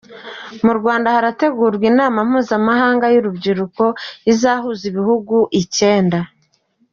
Mu Rwanda harategurwa Inama mpuzamahanga y’urubyiruko izahuza ibihugu icyenda